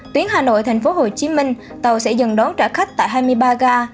tuyến hà nội thhcm tàu sẽ dừng đón trả khách tại hai mươi ba ga